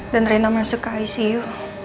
dan rena masuk ke icu